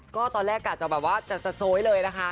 ก็ตอนแรกกะจะแบบว่าจะสะโพยเลยนะคะ